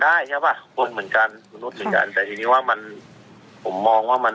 แต่ทีนี้ว่ามันผมมองว่ามัน